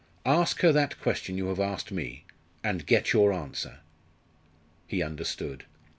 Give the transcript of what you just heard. Ask her that question you have asked me and get your answer." He understood.